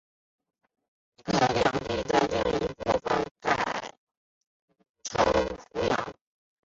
其领地的另一部分改称湖阳。